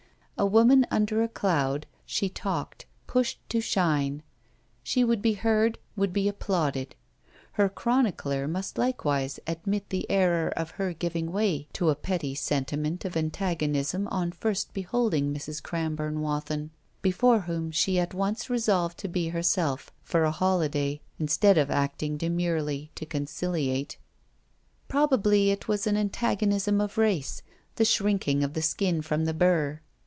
A woman under a cloud, she talked, pushed to shine; she would be heard, would be applauded. Her chronicler must likewise admit the error of her giving way to a petty sentiment of antagonism on first beholding Mrs. Cramborne Wathin, before whom she at once resolved to be herself, for a holiday, instead of acting demurely to conciliate. Probably it was an antagonism of race, the shrinking of the skin from the burr.